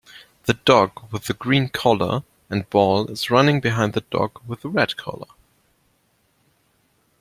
The dog with the green collar and ball is running behind the dog with the red collar